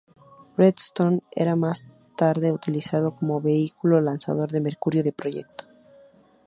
Redstone Era más tarde utilizado como vehículo lanzador en Mercurio de Proyecto.